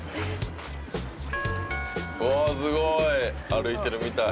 「うわーすごい！歩いてるみたい」